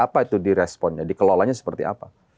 apa itu di responnya dikelolanya seperti apa